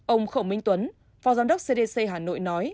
ông khổ minh tuấn phó giám đốc cdc hà nội nói